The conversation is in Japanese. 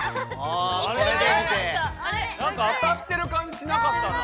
なんか当たってるかんじしなかったな。